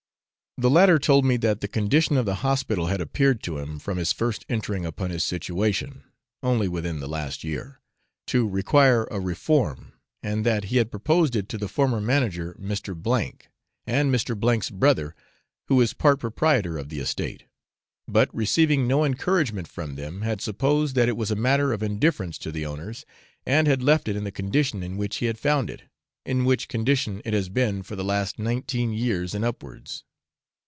The latter told me that the condition of the hospital had appeared to him, from his first entering upon his situation (only within the last year), to require a reform, and that he had proposed it to the former manager, Mr. K , and Mr. 's brother, who is part proprietor of the estate, but receiving no encouragement from them, had supposed that it was a matter of indifference to the owners, and had left it in the condition in which he had found it, in which condition it has been for the last nineteen years and upwards.